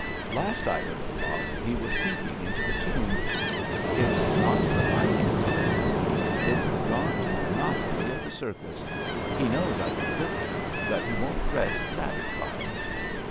Last I heard of Lot he was sinking into the tomb. * It ^s not the fighting, ' he said to me. * It's the darned monotony of the circus. He knows I can whip him, but he won't rest satisfied.